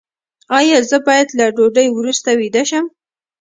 ایا زه باید له ډوډۍ وروسته ویده شم؟